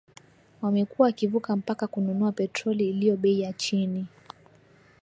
wamekuwa wakivuka mpaka kununua petroli iliyo bei ya chini